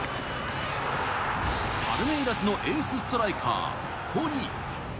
パルメイラスのエースストライカー、ホニ。